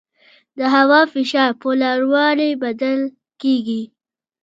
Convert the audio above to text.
د هوا فشار په لوړوالي بدل کېږي.